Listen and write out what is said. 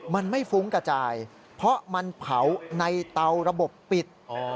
มันไม่ฟุ้งกระจายเพราะมันเผาในเตาระบบปิด